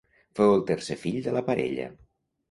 Fou el tercer fill de la parella.